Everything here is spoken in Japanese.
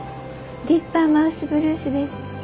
ディッパーマウス・ブルースです。